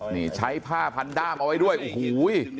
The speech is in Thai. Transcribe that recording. นี่ใช้ผ้าพันด้ามเอาไว้ด้วยโอ้โห